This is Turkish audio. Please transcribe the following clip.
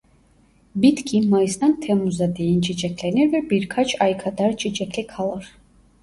Bitki mayıstan temmuza değin çiçeklenir ve birkaç ay kadar çiçekli kalır.